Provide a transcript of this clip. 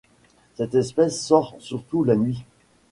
Cette espèce sort surtout la nuit.